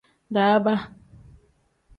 Daaba.